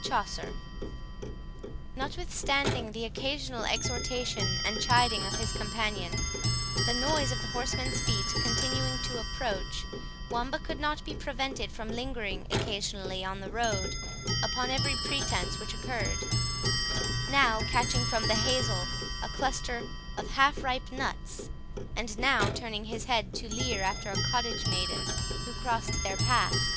CHAUCER Notwithstanding the occasional exhortation and chiding of his companion, the noise of the horsemen's feet continuing to approach, Wamba could not be prevented from lingering occasionally on the road, upon every pretence which occurred; now catching from the hazel a cluster of half ripe nuts, and now turning his head to leer after a cottage maiden who crossed their path.